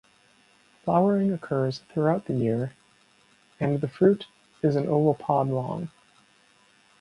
Flowering occurs throughout the year and the fruit is an oval pod long.